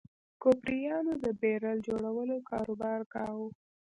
کوپریانو د بیرل جوړولو کاروبار کاوه.